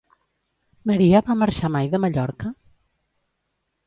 Maria va marxar mai de Mallorca?